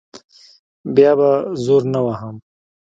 بیا به زور نه وهم.